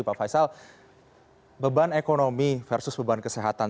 pak faisal beban ekonomi versus beban kesehatan